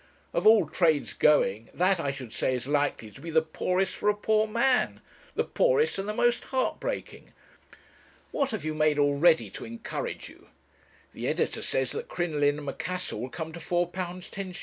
Of all trades going, that, I should say, is likely to be the poorest for a poor man the poorest and the most heart breaking. What have you made already to encourage you?' 'The editor says that 'Crinoline and Macassar' will come to £4 10s.'